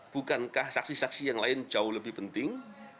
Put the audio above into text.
bukankah saksi saksi yang lain jauh lebih penting